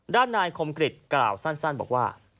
ด้านนายคมกริจกล่าวสั้นบอกว่า